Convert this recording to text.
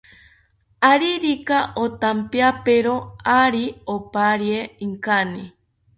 Aririka otampiapero, ari oparie inkani